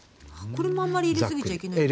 これもあんまり入れ過ぎちゃいけないんですか？